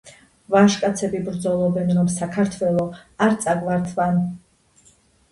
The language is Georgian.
ვაჟკაცები ბრძოლობენ რომ საქართველო არ წაგვართვან